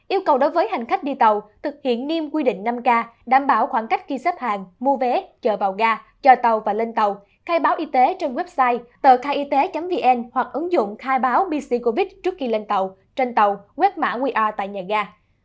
yêu cầu đối với hành khách đi tàu thực hiện niêm quy định năm k đảm bảo khoảng cách khi xếp hàng mua vé chờ vào ga chờ tàu và lên tàu khai báo y tế trên website tờ khaiyt vn hoặc ứng dụng khai báo bccovid trước khi lên tàu trên tàu web mã qr tại nhà ga